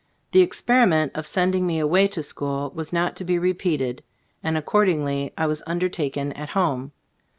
The experiment of sending me away to school was not to be repeated, and accordingly I was undertaken at home.